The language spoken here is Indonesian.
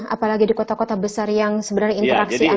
apalagi di kota kota besar yang sebenarnya interaksi aneh